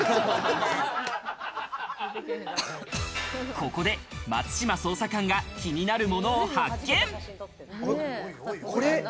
ここで、松島捜査官が気になるものを発見。